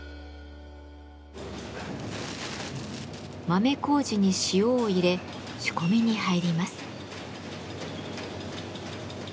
豆麹に塩を入れ仕込みに入ります。